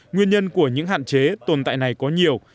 nguyên nhân của những hạn chế tồn tại này có nhiều